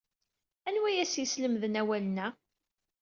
Anwa ay as-yeslemden awalen-a?